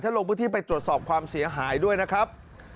ลงพื้นที่ไปตรวจสอบความเสียหายด้วยนะครับ